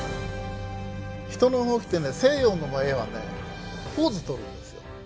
人の動きってね西洋の場合はねポーズとるんですよ。